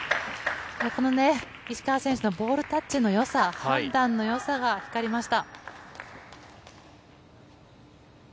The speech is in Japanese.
石川選手のボールタッチの良さ判断の良さが光りました。